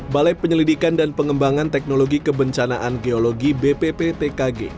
balai penyelidikan dan pengembangan teknologi kebencanaan geologi bpptkg